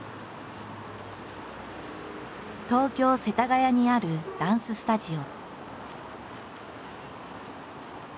東京世田谷にあるダンススタジオ。